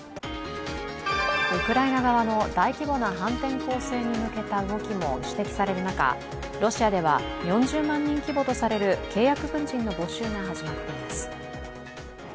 ウクライナ側の大規模な反転攻勢に向けた動きも指摘される中、ロシアでは４０万人規模とされる契約軍人の募集が始まっています。